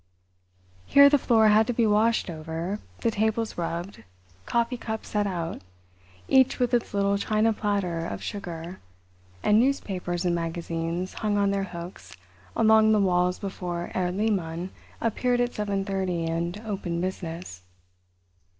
Here the floor had to be washed over, the tables rubbed, coffee cups set out, each with its little china platter of sugar, and newspapers and magazines hung on their hooks along the walls before Herr Lehmann appeared at seven thirty and opened business.